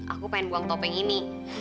aku pengen buang topeng ini